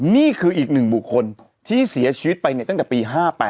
นี่คืออีกหนึ่งบุคคลที่เสียชีวิตไปตั้งแต่ปี๕๘